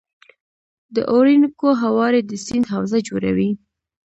د اورینوکو هوارې د سیند حوزه جوړوي.